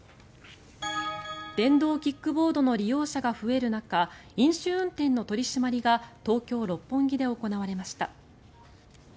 電動キックボードの利用者が増える中飲酒運転の取り締まりが東京・六本木で行われました。